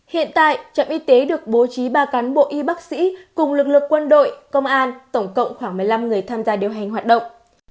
hiện tại trạm y tế được bố trí ba cán bộ y bác sĩ cùng lực lượng quân đội công an tổng cộng khoảng một mươi năm người tham gia điều hành hoạt động